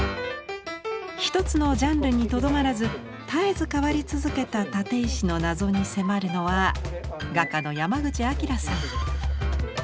一つのジャンルにとどまらず絶えず変わり続けた立石の謎に迫るのは画家の山口晃さん。